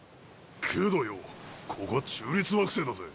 けどよぉここは中立惑星だぜ。